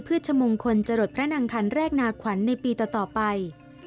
ชมงคลจรดพระนางคันแรกนาขวัญในปีต่อไป